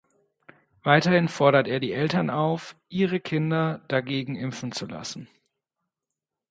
Weiterhin fordert er die Eltern auf, ihre Kinder dagegen impfen zu lassen.